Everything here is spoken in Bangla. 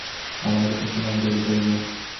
আমার কথা শোনো, আর দেরি করিয়ো না।